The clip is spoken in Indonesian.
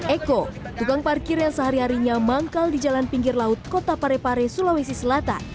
eko tukang parkir yang sehari harinya manggal di jalan pinggir laut kota parepare sulawesi selatan